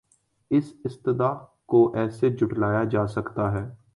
اس استدعاکو کیسے جھٹلایا جاسکتاہے؟